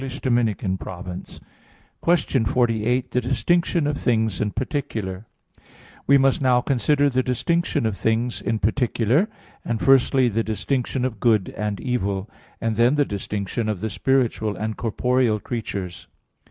_______________________ QUESTION 48 THE DISTINCTION OF THINGS IN PARTICULAR (In Six Articles) We must now consider the distinction of things in particular; and firstly the distinction of good and evil; and then the distinction of the spiritual and corporeal creatures.